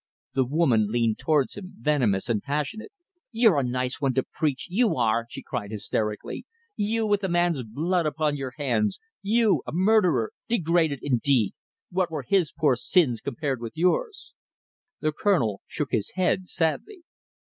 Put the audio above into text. The woman leaned towards him, venomous and passionate. "You're a nice one to preach, you are," she cried hysterically, "you, with a man's blood upon your hands! You, a murderer! Degraded indeed! What were his poor sins compared with yours?" The Colonel shook his head sadly.